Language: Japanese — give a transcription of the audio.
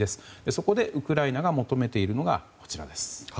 そこでウクライナが求めているのが、こちらです。